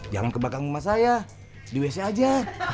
jangan ke belakang rumah saya di wc aja